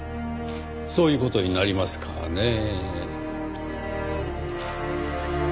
そういう事になりますかねぇ。